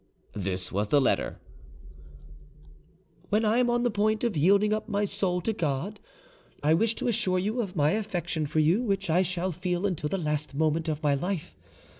This was the letter— "When I am on the point of yielding up my soul to God, I wish to assure you of my affection for you, which I shall feel until the last moment of my life.